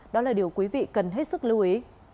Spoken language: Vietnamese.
đó là điều quý vị cần hết sức lưu ý